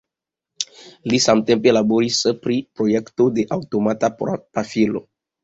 Li samtempe laboris pri projekto de aŭtomata pafilo.